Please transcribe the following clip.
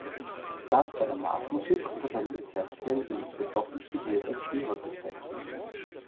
Das bei der Marschmusik oder bei Militärkapellen benutzte Glockenspiel wird als Lyra bezeichnet.